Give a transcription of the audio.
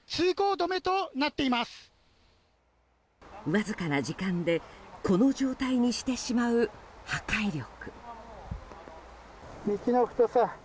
わずかな時間でこの状態にしてしまう破壊力。